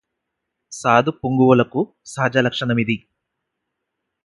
సాధుపుంగవులకు సహజలక్షణమిది